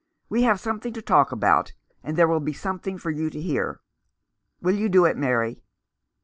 We have something to talk about — and there will be something for you to hear. Will you do it, Mary